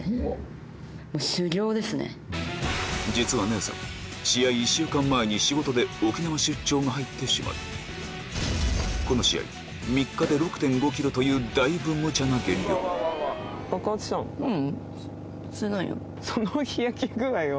実は姉さん試合が入ってしまいこの試合３日で６．５ｋｇというだいぶむちゃな減量ううん。